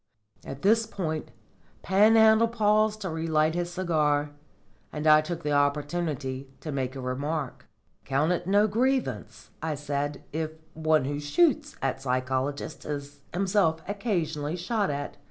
At this point Panhandle paused to relight his cigar, and I took the opportunity to make a remark. "Count it no grievance," I said, "if one who shoots at psychologists is himself occasionally shot at.